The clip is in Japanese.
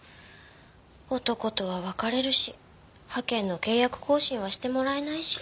男とは別れるし派遣の契約更新はしてもらえないし。